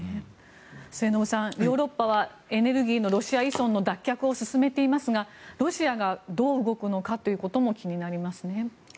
末延さん、ヨーロッパはエネルギーのロシア依存の脱却を進めていますがロシアがどう動くのかも気になりますね。